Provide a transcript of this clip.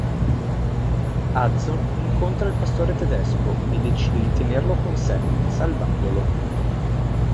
Hudson incontra il pastore tedesco e decide di tenerlo con sé, salvandolo.